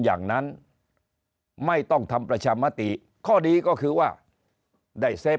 อย่างนั้นไม่ต้องทำประชามติข้อดีก็คือว่าได้เซฟ